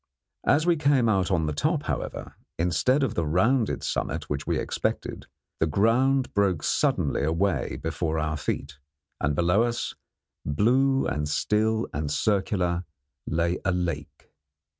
As we came out on the top, however, instead of the rounded summit which we expected, the ground broke suddenly away before our feet, and below us, blue and still and circular, lay a lake.